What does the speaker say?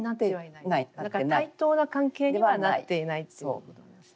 対等な関係にはなっていないっていうことなんですよね。